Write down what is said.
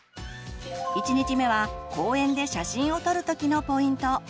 １日目は公園で写真を撮る時のポイント。